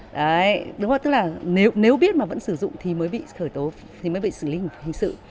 đấy đúng không tức là nếu biết mà vẫn sử dụng thì mới bị khởi tố thì mới bị xử lý hình sự